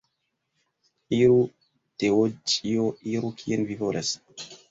Iru, Teodĉjo, iru, kien vi volas!